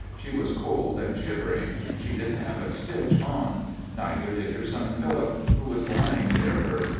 She was cold and shivering. She didn't have a stitch on. Neither did her son, Phillip, who was lying near her.